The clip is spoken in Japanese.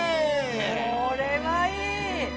これはいい！